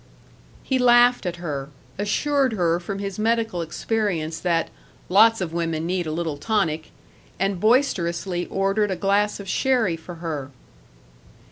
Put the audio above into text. He laughed at her; assured her from his medical experience that "lots of women need a little tonic," and boisterously ordered a glass of sherry for her.